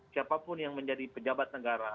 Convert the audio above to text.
siapapun yang menjadi pejabat negara